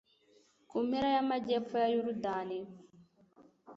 ku mpera y'amajyepfo ya yorudani